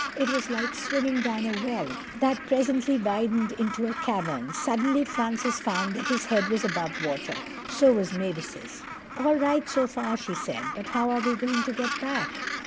It was like swimming down a well that presently widened to a cavern. Suddenly Francis found that his head was above water. So was Mavis's. "All right so far," she said, "but how are we going to get back?"